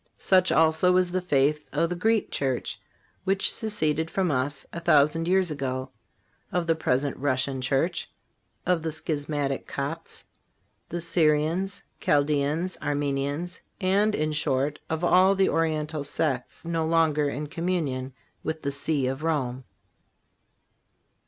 Such also is the faith of the Greek church, which seceded from us a thousand years ago, of the Present Russian church, of the schismatic Copts, the Syrians, Chaldeans, Armenians, and, in short, of all the Oriental sects no longer in communion with the See of Rome.